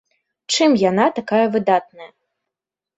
Чым яна такая выдатная?